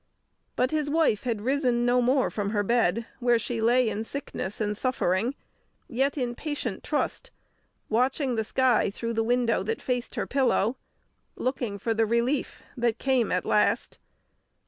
But his wife had risen no more from her bed, where she lay in sickness and suffering, yet in patient trust, watching the sky through the window that faced her pillow, looking for the relief that came at last.